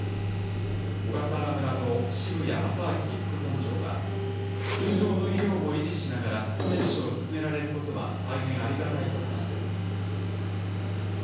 小笠原村の渋谷正昭副村長は、通常の医療も維持しながら接種を進められることは大変ありがたいと話しています。